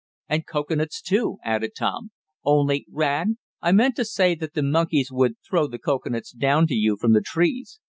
"And cocoanuts, too," added Tom. "Only, Rad, I meant to say that the monkeys would throw the cocoanuts down to you from the trees.